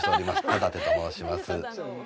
田立と申します。